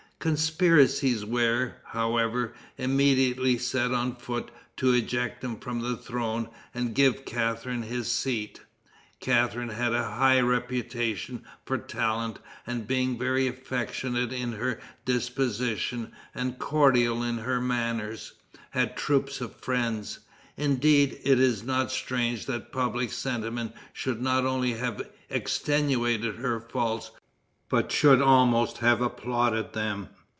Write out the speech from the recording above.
Conspiracies were, however, immediately set on foot to eject him from the throne and give Catharine his seat. Catharine had a high reputation for talent, and being very affectionate in her disposition and cordial in her manners, had troops of friends. Indeed, it is not strange that public sentiment should not only have extenuated her faults, but should almost have applauded them.